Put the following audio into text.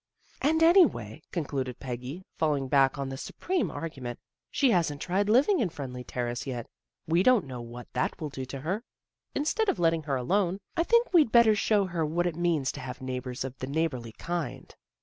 " And, anyway," concluded Peggy, falling back on the supreme argument, " she hasn't tried living in Friendly Terrace yet. We don't know what that will do for her. Instead of letting her alone, I think we'd better show her what it means to have neighbors of the neigh borly kind."